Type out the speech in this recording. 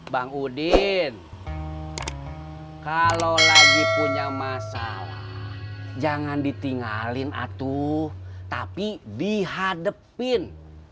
bang udin kalau lagi punya masalah jangan ditinggalin atuh tapi dihadepin